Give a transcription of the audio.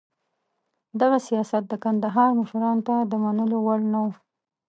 دغه سیاست د کندهار مشرانو ته د منلو وړ نه و.